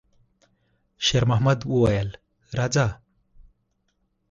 شېرمحمد وویل: «راځه!»